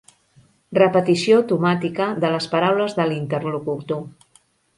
Repetició automàtica de les paraules de l'interlocutor.